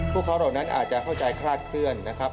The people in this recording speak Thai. พวกเขาเหล่านั้นอาจจะเข้าใจคลาดเคลื่อนนะครับ